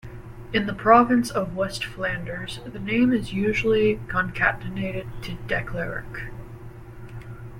In the province of West Flanders the name is usually concatenated to Declerck.